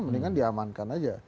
mendingan diamankan aja